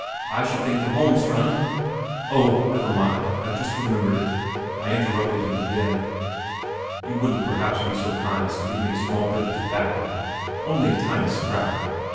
I should think to Holmestrand..." "Oh, never mind; I have just remembered it," I interrupted him again. "You wouldn't perhaps be so kind as to give me a small bit of tobacco only just a tiny scrap?"